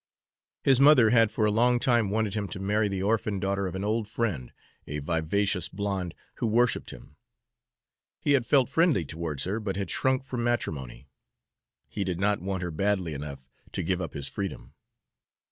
His mother had for a long time wanted him to marry the orphan daughter of an old friend, a vivacious blonde, who worshiped him. He had felt friendly towards her, but had shrunk from matrimony. He did not want her badly enough to give up his freedom.